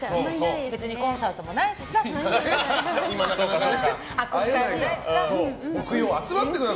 別にコンサートもないしさ。